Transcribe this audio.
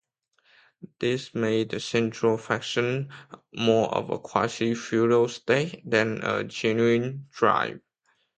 This made the central faction more of a quasi-feudal state than a genuine tribe.